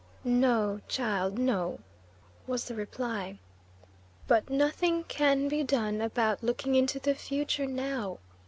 "No, child, no," was the reply. "But nothing can be clone about looking into the future now.